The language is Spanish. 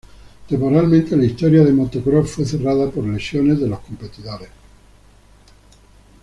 Temporalmente en la historia del motocross fue cerrada por las lesiones de los competidores.